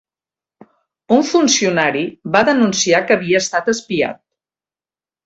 Un funcionari va denunciar que havia estat espiat